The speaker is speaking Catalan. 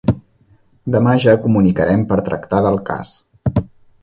Demà ja comunicarem per tractar del cas.